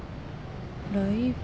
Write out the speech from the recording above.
「ライブ」？